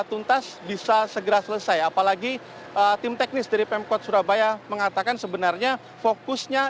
tuntas bisa segera selesai apalagi tim teknis dari pemkot surabaya mengatakan sebenarnya fokusnya